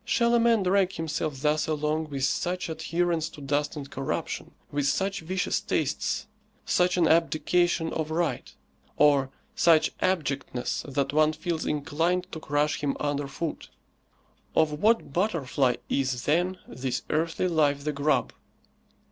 Shall a man drag himself thus along with such adherence to dust and corruption, with such vicious tastes, such an abdication of right, or such abjectness that one feels inclined to crush him under foot? Of what butterfly is, then, this earthly life the grub?